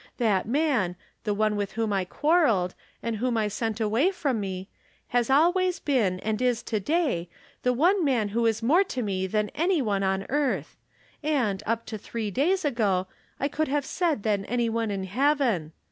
That man, the one with whom I quarreled, and whom I sent away from me, has always been, and is to day, the one man who is more to me than any one on earth; and, up to three days ago, I could have said than any one in heaven.